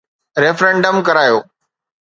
Referendum ڪرايو.